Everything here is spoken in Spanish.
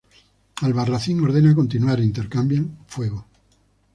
Albarracín ordena continuar e intercambian fuego.